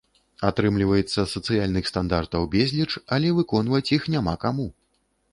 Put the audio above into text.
Атрымліваецца, сацыяльных стандартаў безліч, але выконваць іх няма каму.